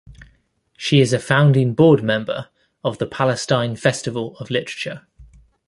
She is a founding board member of the Palestine Festival of Literature.